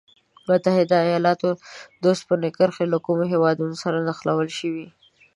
متحد ایلاتونو د اوسپنې کرښې له کومو هېوادونو سره نښلول شوي؟